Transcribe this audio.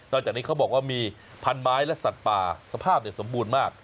จากนี้เขาบอกว่ามีพันไม้และสัตว์ป่าสภาพสมบูรณ์มาก